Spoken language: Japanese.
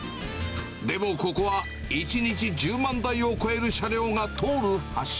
でもここは、１日１０万台を超える車両が通る橋。